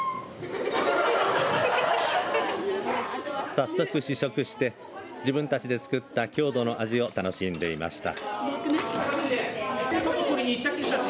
早速試食して自分たちで作った郷土の味を楽しんでいました。